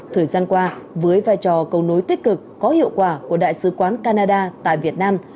thời gian qua với vai trò cầu nối tích cực có hiệu quả của đại sứ quán canada tại việt nam